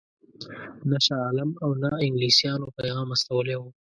نه شاه عالم او نه انګلیسیانو پیغام استولی وو.